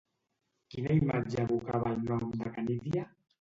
Quina imatge evocava el nom de Canídia?